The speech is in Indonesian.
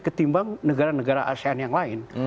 ketimbang negara negara asean yang lain